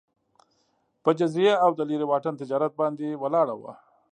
په جزیې او د لېرې واټن تجارت باندې ولاړه وه